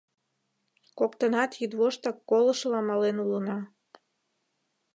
Коктынат йӱдвоштак колышыла мален улына.